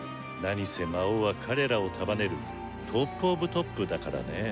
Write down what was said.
何せ魔王は彼らを束ねるトップ・オブ・トップだからね。